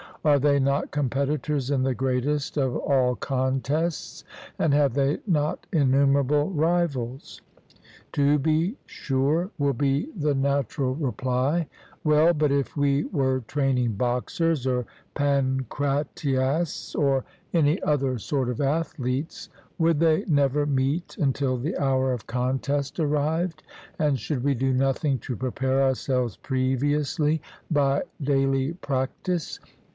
Are they not competitors in the greatest of all contests, and have they not innumerable rivals? To be sure, will be the natural reply. Well, but if we were training boxers, or pancratiasts, or any other sort of athletes, would they never meet until the hour of contest arrived; and should we do nothing to prepare ourselves previously by daily practice?